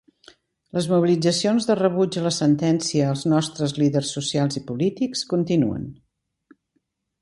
Les mobilitzacions de rebuig a la sentència als nostres líders socials i polítics continuen.